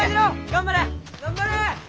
頑張れ！